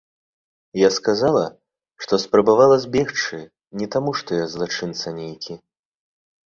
Я сказала, што спрабавала збегчы не таму што я злачынца нейкі.